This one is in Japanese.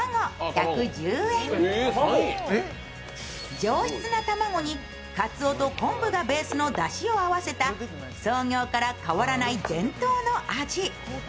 上質な卵にかつおと昆布がベースのだしを合わせた創業から変わらない伝統の味。